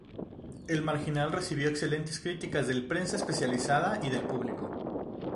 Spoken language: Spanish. El marginal recibió excelentes críticas del prensa especializada y del público.